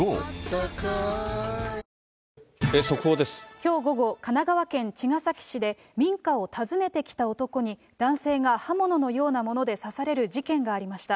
きょう午後、神奈川県茅ヶ崎市で、民家を訪ねてきた男に、男性が刃物のようなもので刺される事件がありました。